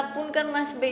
betul sekali mas pei